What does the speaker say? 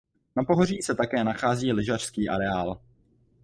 Na pohoří se také nachází lyžařský areál.